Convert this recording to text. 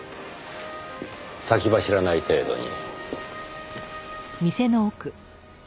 先走らない程度に。